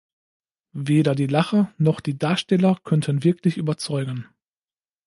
Weder die Lacher noch die Darsteller könnten wirklich überzeugen.